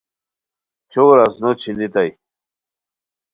کھیو ورازنو چھینیتائے